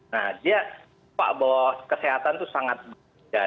nah dia sepakat bahwa kesehatan itu sangat mudah